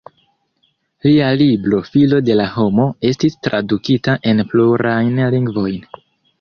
Lia libro "Filo de la homo" estis tradukita en plurajn lingvojn.